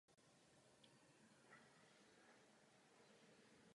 Šetření Ústavu národní paměti informace z knihy potvrdilo.